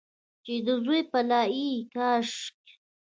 چې د زوی پلا یې کاشکي،